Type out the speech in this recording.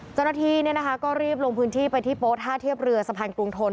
เจ้าหน้าที่ก็รีบลงพื้นที่ไปที่โป๊ท่าเทียบเรือสะพานกรุงทน